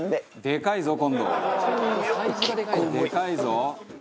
「でかいぞ」